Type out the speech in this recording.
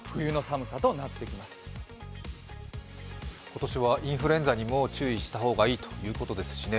今年はインフルエンザにも注意をした方がいいということですからね